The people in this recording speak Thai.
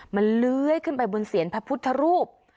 มันเลื้อยขึ้นไปบนเสียนพระพุทธรูป